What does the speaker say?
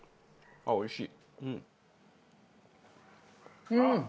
あっおいしい！